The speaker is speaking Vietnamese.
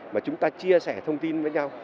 mà chúng ta chia sẻ thông tin với nhau